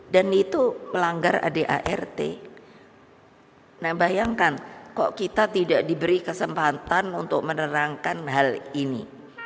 dan itu melanggar adart nah bayangkan kok kita tidak diberi kesempatan untuk menerangkan hal ini